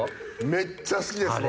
めっちゃ好きです僕も。